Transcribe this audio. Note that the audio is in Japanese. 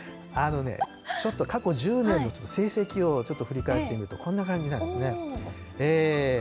ちょっと過去１０年の成績をちょっと振り返ってみると、こんな感じなんですね。